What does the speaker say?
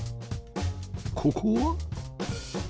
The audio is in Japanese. ここは？